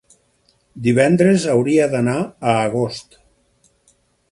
Divendres hauria d'anar a Agost.